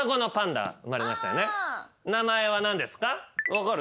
分かる？